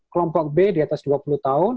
kelompok b di atas dua puluh tahun